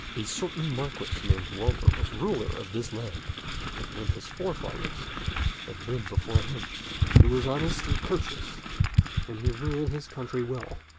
A certain marquis named Walter was ruler of this land, as his forefathers had been before him. He was honest and courteous, and he ruled his country well.